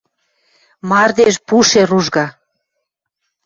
Мардеж пуше ружга.